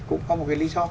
cũng có một cái lý do